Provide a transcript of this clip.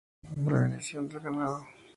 Se procedía a la bendición del ganado.